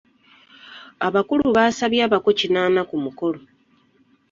Abakulu baasabye abako kinaana ku mukolo.